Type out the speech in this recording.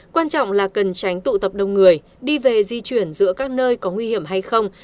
quan trọng là cần tránh tụ tập đông người đi về di chuyển giữa các nơi có nguy hiểm hay không